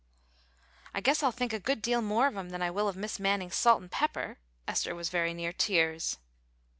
"I guess I'll think a good deal more of 'em than I will of Mis' Manning's salt and pepper." Esther was very near tears.